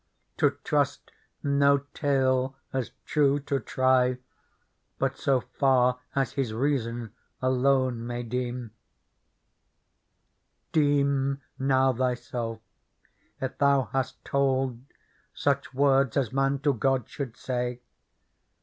To trust no tale as true to try But so far as his reason alone may deem. " Deem now thyself if thou hast told Such words as man to God should say.